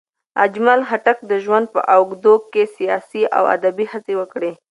اجمل خټک د ژوند په اوږدو کې سیاسي او ادبي هڅې وکړې.